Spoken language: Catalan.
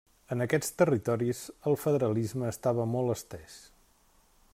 En aquests territoris, el federalisme estava molt estès.